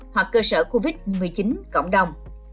hoặc cơ sở covid một mươi chín cộng đồng